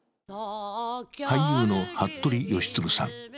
俳優の服部吉次さん。